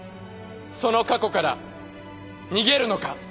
その過去から逃げるのか。